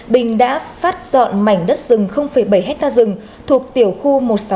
bình đã phát dọn mảnh đất rừng bảy hectare rừng thuộc tiểu khu một nghìn sáu trăm ba mươi năm